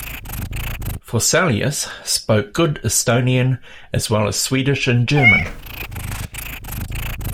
Forselius spoke good Estonian as well as Swedish and German.